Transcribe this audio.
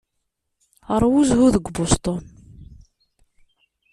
Ṛwu zzhu deg Boston.